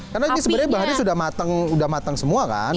karena ini sebenarnya bahannya sudah matang semua kan